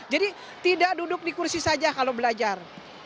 jadi tidak duduk di kursi saja kalau belajar